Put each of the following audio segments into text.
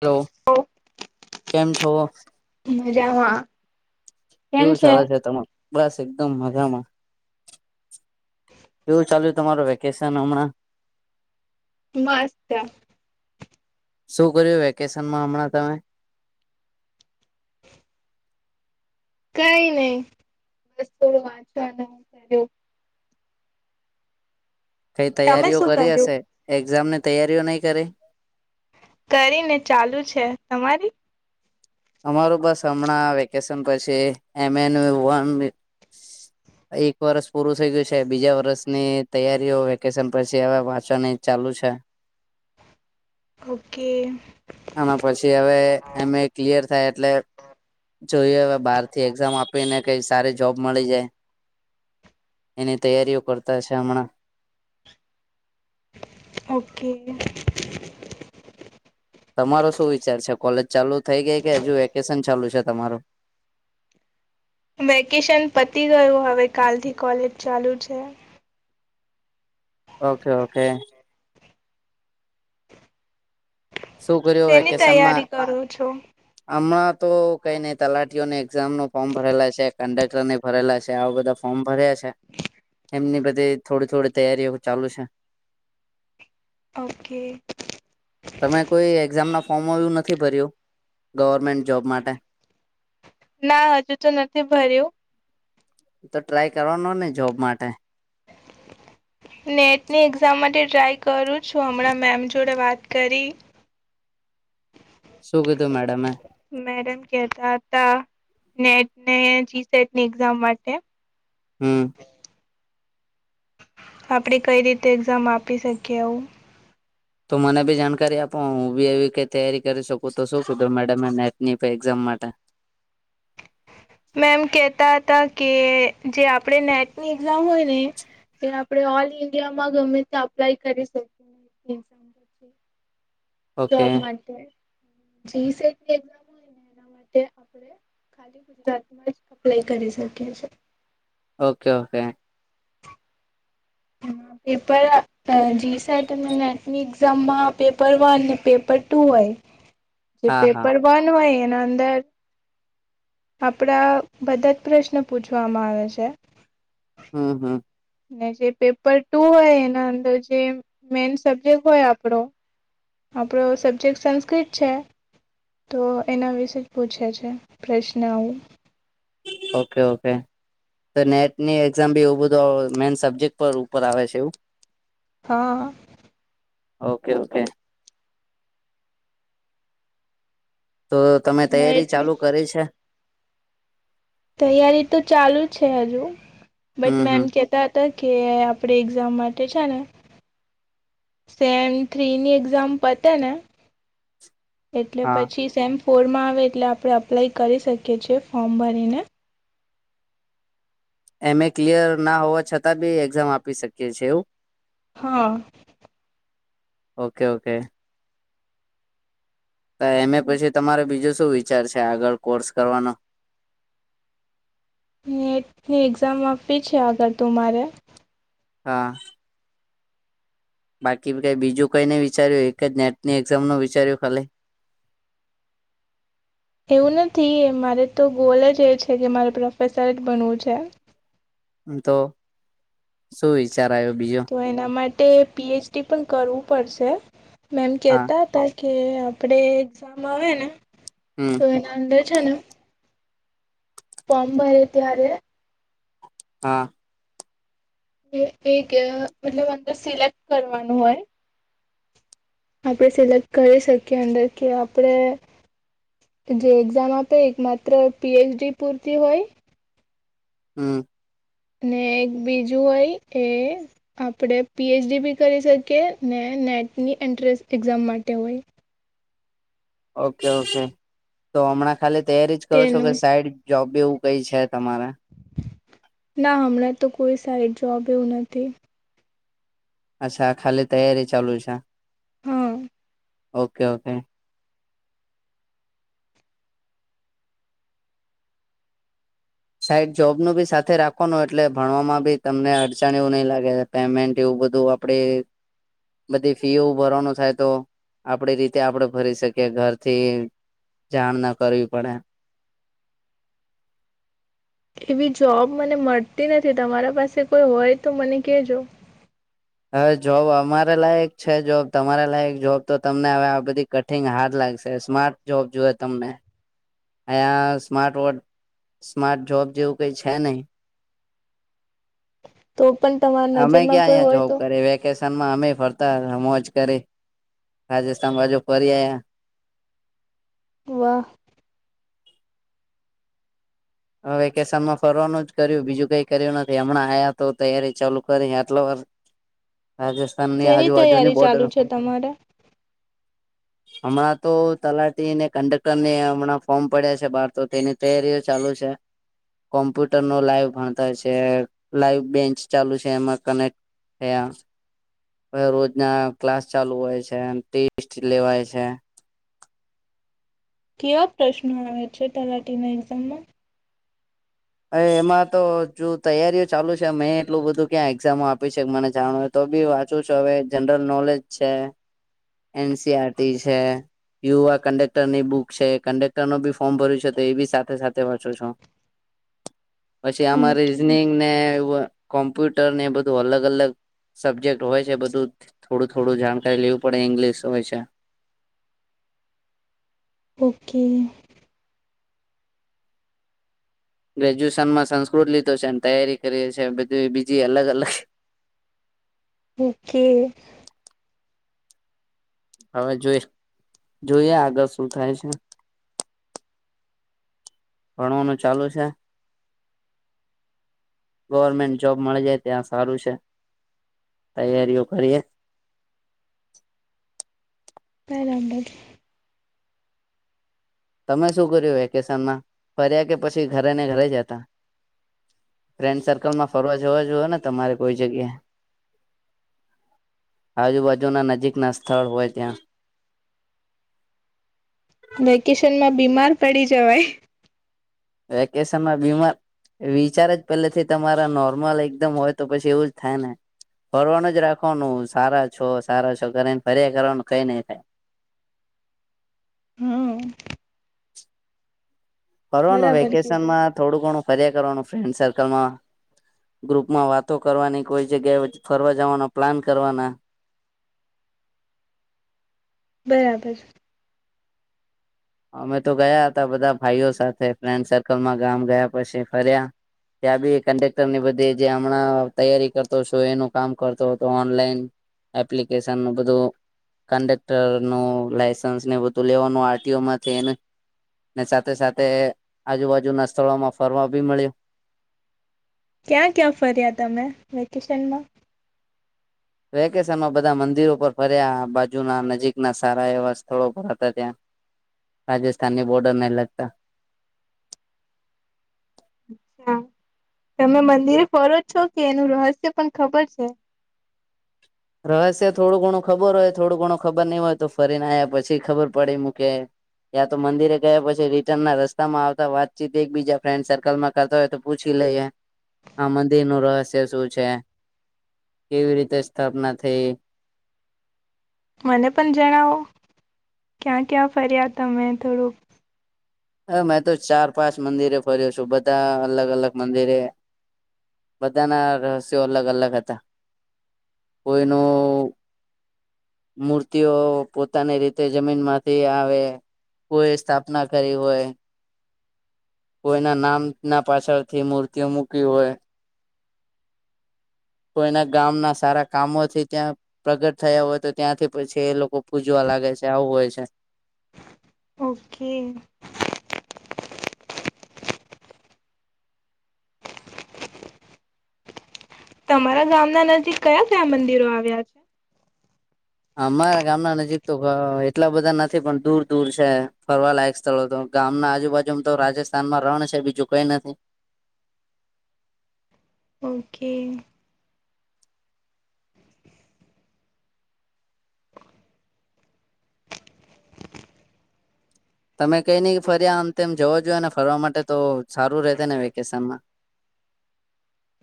Hello કેમ છો મજામાં કેવું ચલે છે તમારે બસ એકદમ મજામાં [inaudible] કેવું ચાલ્યું તમારું વેકેશન હમણાં મસ્ત શું કર્યું વેકેશનમાં હમણાં તમે કઈ નહી બસ થોડું વાંચવા ન કર્યું કઈ તમે તૈયારીઓ શું કરી કર્યું? હશે એક્ઝામની તૈયારીઓ નહી કરી કરીને ચાલુ છે તમારી અમારું બસ હમણાં વેકેશન પછી એમ એન વન એક વર્ષ પૂરું થઈ ગયું છે બીજા વર્ષની તૈયારીઓ વેકેશન પછી હવે વાંચવાની ચાલુ છે ઓકે આમાં પછી હવે એમ ક્લિયર થાય એટલે જોઈએ હવે બાર થી એક્ઝામ આપીને કઈ સારી જોબ મળી જાય એની તૈયારીઓ કરતા છે હમણાં ઓકે તમારો શું વિચાર છે કોલેજ ચાલુ થઈ ગઈ કે હજુ વેકેશન ચાલુ છે તમારું વેકેશન પતી ગયું હવે કાલથી કોલેજ ચાલુ છે ઓકે ઓકે શું કર્યું શેની વેકેશનમાં તૈયારી કરો છો? હમણાં તો કઈ નઈ તલાટીઓને એક્ઝામ ન ફોર્મ ભરેલા છે કંડક્ટર ને ભરેલા છે આવા બધા ફોર્મ ભર્યા છે એમની બધે થોડી થોડી તૈયારીઓ ચાલુ છે ઓકે તમે કોઈ એક્ઝામના ફોર્મો એવું નથી ભર્યું ગવર્મેન્ટ જોબ માટે ના હજુ તો નથી ભર્યું તો ટ્રાય કરવાનો ને જોબ માટે નેટની એક્ઝામ માટે ટ્રાય કરું છું હમણાં મેમ જોડે વાત કરી શું કીધું મેડમે મેડમ કેતા હતા નેટને જી સેટની એક્ઝામ માટે હમ આપણે કઈ રીતે એક્ઝામ આપી શકીએ એવુ તો મને બી જાણકારી આપો હું બી એવી કઈ તૈયારી કરી શકું તો શું કીધું મેડમનેટની એઝામ માટે મેમ કેતા હતા કે જે આપણે નેટની એક્ઝામ હોય ને કે આપડે ઓલ ઈન્ડિયા માં ગમે ત્યાં અપ્લાય કરી શકીએ ઓકે જોબ માટે જી સેટની એક્ઝામ હોય ને એના માટે આપડે ખાલી ગુજરાતમાં જ અપ્લાય કરી શકીએ છે ઓકે ઓકે હા પેપર હ જીસેટ અને નેટની એકઝામમાં પેપર વન ને પેપર ટુ હોય જે હા હા. પેપર વન હોય એના અંદર આપણા બધા જ પ્રશ્ન પૂછવામાં આવે છે હમ હમ અને જે પેપર ટુ હોય એના અંદર જે મેન સબ્જેક્ટ હોય આપડો આપણો સબ્જેક્ટ સંસ્કૃત છે તો એના વિશે જ પૂછે છે પ્રશ્ન આવું ઓકે ઓકે તો નેટની એક્ઝામ બી એવું બધું મેઈન સબ્જેક્ટ પર ઉપર આવે છે એવું હ ઓકે ઓકે તો તમે ને તૈયારી ચાલુ કરી છે તૈયારી તો ચાલુ છે હજુ બટ હમ મેમ હમ કે કેતા હતા કે આપડે એક્ઝામ માટે છે ને સેમ થ્રી ની એક્ઝામ પતે ને એટલે હા પછી સેમ ફોરમાં આવે એટલે આપણે અપ્લાય કરી શકીએ છીએ ફોર્મ ભરીને એમ એ ક્લિયર ના હોવા છતાં બી એક્ઝામ આપી શકીએ છે એવું? હા, ઓકે ઓકે! તો એમે પછી તમારે બીજું શું વિચાર છે, આગળ કોર્સ કરવાનો? નેટની એક્ઝામ આપવી છે, આગળ તું મારે, હા બાકી કઈ બીજું કઈ નઈ વિચાર્યું એક જ નેટની એક્ઝામ નું વિચાર્યું ખાલે? એવું નથી મારે તો ગોલ જ એ છે કે, મારે પ્રોફેસર જ બનવું છે. તો શું વિચાર આવ્યો બીજો? તો એના માટે પીએચડી પણ કરવું પડશે મેમ હા કેહેતા હતા. કે આપણેે એક્ઝામ આવે ને? હમમ તો એના અંદર છે ને ફોર્મ ભરે ત્યારે હા. એક મતલબ અંદર સિલેક્ટ કરવાનું હોય. આપણે સિલેક્ટ કરી શકીએ અંદર કે આપણે જે એક્ઝામ આપે એક માત્ર પીએચડી પૂરતી હોય, હમ ને એક બીજું હોય એ, આપણે પીએચડી બી કરી શકીએ ને નેટની એન્ટ્રન્સ એક્ઝામ માટે હોય. ઓકે ઓકે તો હમણાં ખાલી તૈયારી જ કરો છો કે તેનું સાઈડ જોબ એવું કઈ છે તમારે,? ના હમણાં તો કોઈ સાઈડ જોબ એવું નથી. અચ્છા ખાલી તૈયારી ચાલુ છે. હા ઓકે ઓકે. સાઈડ જોબ નું બી સાથે રાખવાનું એટલે ભણવામાં બી તમને અડચણ એવું નહી લાગે. પેમેન્ટ એવું બધું આપડે બધી ફીઓ ભરવાનું થાય તો આપડી રીતે આપડે ભરી શકીએ ઘરથી જાણ ના કરવી પડે. એવી જોબ મને મળતી નથી. તમારા પાસે કોઈ હોય તો મને કેજો. હવે જોબ અમારે લાયક છે જોબ તમારા લાયક જોબ તો તમને હવે આ બધી કઠિંગ હાર્ લાગશે સ્માર્ટ જોબ જોય તમને, અહીંયા સ્માર્ટ વોડ સ્માર્ટ જોબ જેવું કઈ છે નહી, તો પણ તમારે અમે ક્યાં અહંયા જોબ કરીએ વેકે વેકેશન મા અમે ફરતા મોજ કરી. રાજસ્થાન બાજુ ફરી આવ્યા. વાહ. હ વેકેશનમાં ફરવાનું જ કર્યું બીજું કઈ કર્યું નથી હમણાં આ્યા તો તૈયારી ચાલુ કરી આટલો વાર રાજસ્થાનની શેની આજુબાજુની તૈયારી ચાલુ બોર્ડર છે તમારે હમણાં તો તલાટીને કંડક્ટર ને હમણાં ફોર્મ પડ્યા છે બહાર તો તેની તૈયારીઓ ચાલુ છે. ચ [unintelligible] કોમ્પ્યુટર નો લાઈવ ભણતા છે લાઈવ બેચ ચાલુ છે એમાં કનેક્ટ તેયા [inaudible] હવે રોજના ક્લાસ ચાલુ હોય છે. ટેસ્ટ લેવાય છે. કેવા પ્રશ્નો આવે છે તલાટી ના એક્ઝામમાં? હવે એમાં તો જો તૈયારીઓ ચાલુ છે મેં એટલું બધું ક્યાં એક્ઝામો આપી છે મને જાણ તો બી વાંચું છું હવે જનરલ નોલેજ છે, એનસીઆરટી છે. યુવા કન્ડેક્ટર ની બુક છે કન્ડેક્ટર ન બી ફોર્મ ભર્યું છે તો એ બી સાથે સાથે વાંચો છો? પછી આમાં ઓકે રીઝનિંગ ને એવું કોમ્પ્યુટર ને એ બધું અલગ અલગ, સબ્જેક્ટ હોય છે બધું થોડું થોડું જાણકારી લેવું પડે, ઇંગ્લિશ હોય છે. ઓ કે. ગ્રેજ્યુએશન માં સંસ્કૃત લીધો છેને તૈયારી કરીએ છે બધી બીજી અલગ અલગ. ઓ કે. હવે જોઈ જોઈએ આગળ શું થાય છે. ભણવાનું ચાલુ છે. ગવર્મેન્ટ જોબ મળી જાય ત્યાં સારું છે, તૈયારીઓ કરીએ. પરંબધ. તમે શું કર્યું વેકેશનમાં? ફર્યા કે પછી ઘરે ને ઘરે હતા? ફ્રેન્ડ સર્કલ માં ફરવા જવા જોઓ ને તમારે કોઈ જગ્યાએ? આજુબાજુના નજીક ના સ્થળ હોય ત્યાં. વેકેશન માં બીમાર પડી જવાય. વેકેશન માં બીમાર વિચારે જ પેલેથી તમારા નોર્મલ એકદમ હોય તો પછી એવું જ થાય ને? ફરવાનું જ રાખવાનું, સારા છો, સારા છો કરીને ફરયા કરવાનું, કઈ નહીં થાય. હા કરવાનું, બરાબર કીધું વેકેશનમાં થોડું ઘણું ફર્યા કરવાનું ફ્રેન્ડ સર્કલમાં. ગ્રુપ માં વાતો કરવાની, કોઈ જગ્યાએ ફરવા જવાના પ્લાન કરવાના. બરાબર. અમે તો ગયા હતા બધા ભાઈઓ સાથે, ફ્રેન્ડ સર્કલમાં ગામ ગયા, પછી ફર્યા. ત્યાં બી કન્ડેક્ટર ની બધે જે હમણાં તૈયારી કરતો છું, એનું કામ કરતો હતો, ઓનલાઈન એપ્લિકેશન નું બધું કંડક્ટર નું લાયસન્સ ને બધું લેવાનું આર ટી ઓમાં [unintelligible] ને સાથે સાથે, આજુબાજુ ના સ્થળોમાં ફરવા બી મળ્યું. ક્યાં ક્યાં ફર્યા તમે, વેકેશનમાં? વેકેશનમાં બધા મંદિરો પર ફર્યા, આબાજુના નજીક ના સારા એવા સ્થળો પર હતાં ત્યા. રાજસ્થાની બોર્ડર ને લગતા. હા, તમે મંદિર ફરો જ છો કે એનું રહસ્ય પણ ખબર છે? રહસ્ય થોડું ઘણું ખબર હોય, થોડું ઘણું ખબર નઈ હોય તો ફરીને આયા પછી ખબર પડી મૂકે ગયા, તો મંદિરે ગયા પછી રિટર્ન ના રસ્તામાં આવતા વાતચીત એક બીજા ફ્રેન્ડ સર્કલમાં કરતા હોય તો પૂછી લઈએ, આ મંદિર નું રહસ્ય શું છે? કેવી રીતે સ્થાપના થઈ? મને પણ જણાવો, ક્યાં ક્યાં ફર્યા તમે થોડુંક? હ, મેં તો ચાર, પાંચ મંદિરે ફર્યો છું, બધા અલગ અલગ મંદિરે બધા ના રહસ્યો અલગ અલગ હતા. કોઈનું મૂર્તિઓ પોતાની રીતે જમીન માંથી આવે. કોઈએ સ્થાપના કરી હોય. કોઈના નામ ના પાછળથી મૂર્તિઓ મૂકી હોય. કોઈના ગામના સારા કામોથી ત્યાં પ્રગટ થયા હોય તો ત્યાંથી પછી એ લોકો પૂજવા લાગે છે, આવું હોય છે. ઓ કે. તમારા ગામના નજીક કયા કયા મંદિરો આવ્યા છે? અમારા ગામના નજીક તો ગ એટલા બધા નથી પણ દૂર દૂર છે, ફરવાલાયક સ્થળો તો. ગામના આજુબાજુમ તો રાજસ્થાનમાં રણ છે, બીજું કંઈ નથી. ઓ કે. તમે કઈ નહી ફર્યા આમ તેમ, જવા જોઈએ ને ફરવા માટે તો, સારું રહેશે ને વેકેશન માં?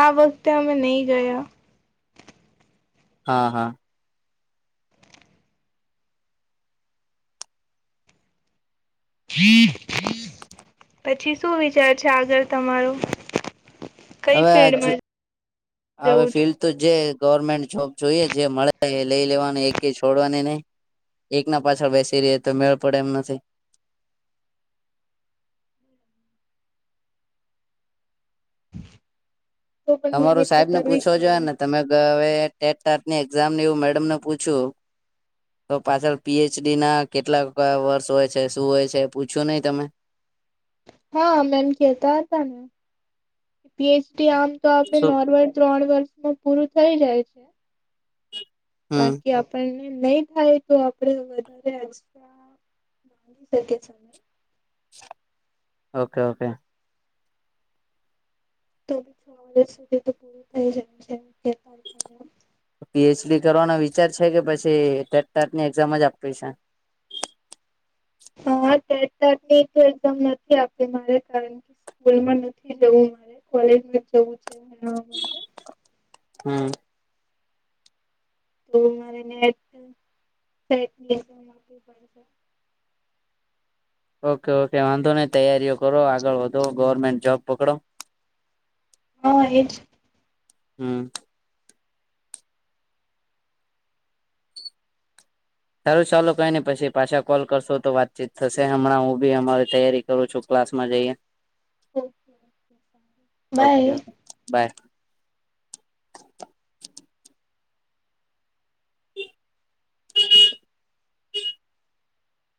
આ વખતે અમે નહીં ગયા. હા હા. પછી શું વિચાર છે આગળ તમારો? કઈ હવે આજ, ફિલ્ડમાં હવે જવું છે? ફિલ્ તો જે ગવર્મેન્ટ જોબ જોઈએ જે મળે એ લઈ લેવાનું એક કે છોડવાની નહીં. એક ના પાછળ બેસી રહે તો મેળ પડે એમ નથી. તો પણ તમારું મહેનત તો સાહેબ ને કરવી જ પૂછવો જોએ પડે. ને તમે હવે ટેટ ટાટની એક્ઝામ ને એવું મેડમને પૂછ્યું. તો પાછળ પીએચડી ના કેટલા વર્ષ હોય છે શું હોય છે પૂછ્યું નહીં તમે. હા મેમ કેતા હતા ને કે પીએચડી આમ. તો આપડે શું નોર્મલ ત્રણ વર્ષમાં પૂરું થઈ જાય છે. હમ બાકી આપણે. નહીં થાય તો આપડે વધારે એક્સ્ટ્રા મારી શકીએ. Okay okay. તો બી છ વર્સ સુધી તો પૂરું થઈ જાય છે. [inaudible] પીએચડી કરવાનો વિચાર છે કે પછી ટેટ ટાટ ની એક્ઝામ જ આપવી છે. હા ટેટ ટાટ ની એક્ઝામ નથી આપવી મારે કારણ કે. સ્કૂલમાં નથી જવું મારે કોલેજમાં જવું છે. હમ. [unintelligible] ઓકે ઓકે વાંધો નઇ તૈયારીઓ કરો આગળ વધો ગવર્મેન્ટ જોબ પકડો. હા એજ. હમ. સારું ચાલું કઈને પછી પાછા કોલ કરશો તો વાતચીત થશે હમણાં હું બી અમારી તૈયારી કરું છું ક્લાસમાં જઈએ. ઓકે ઓકે બાય ઓ બાય.